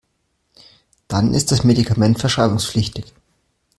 Dann ist das Medikament verschreibungspflichtig.